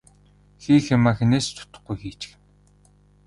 Хийх юмаа хэнээс ч дутахгүй хийчихнэ.